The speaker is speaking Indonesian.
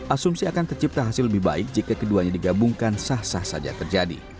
asumsi akan tercipta hasil lebih baik jika keduanya digabungkan sah sah saja terjadi